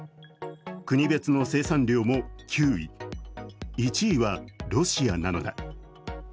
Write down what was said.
国別の生産量も９位、１位は、ロシアなのだ。